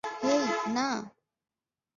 হেই, না!